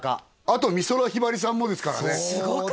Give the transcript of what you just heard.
あと美空ひばりさんもですからねすごくない？